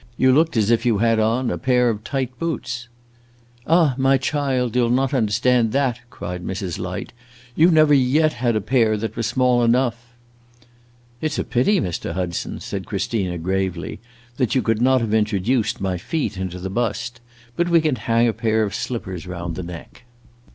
You looked as if you had on a pair of tight boots." "Ah, my child, you 'll not understand that!" cried Mrs. Light. "You never yet had a pair that were small enough." "It 's a pity, Mr. Hudson," said Christina, gravely, "that you could not have introduced my feet into the bust. But we can hang a pair of slippers round the neck!"